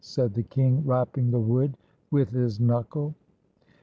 said the king, rapping the wood with his knuckle.